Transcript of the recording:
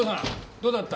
どうだった？